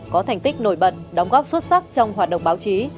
có thành tích nổi bật đóng góp xuất sắc trong hoạt động báo chí